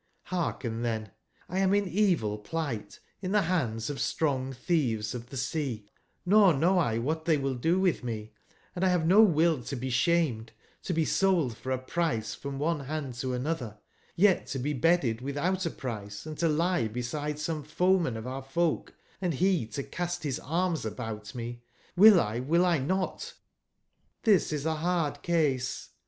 Hearken tben, t am in evil pligbt, in tbe bands of strong/tbieves of tbe sea, nor know I wbat tbey will do witb me, and 1 bave no will to be sbamed; to be sold for a price from one band to anotber, yet to be bedded witbout a price, & to lie beside some f oeman of our folk, and be to cast bis arms about me, will X, will X not: tbis is a bard case.